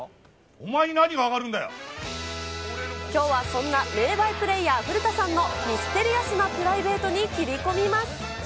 お前に何が分かきょうはそんな名バイプレーヤー、古田さんのミステリアスなプライベートに切り込みます。